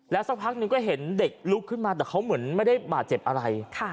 สักพักหนึ่งก็เห็นเด็กลุกขึ้นมาแต่เขาเหมือนไม่ได้บาดเจ็บอะไร